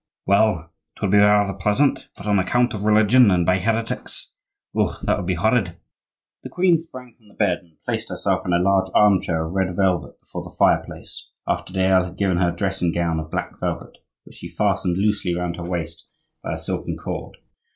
well, 'twould be rather pleasant; but on account of religion, and by heretics—oh, that would be horrid." The queen sprang from the bed and placed herself in a large arm chair of red velvet before the fireplace, after Dayelle had given her a dressing gown of black velvet, which she fastened loosely round her waist by a silken cord.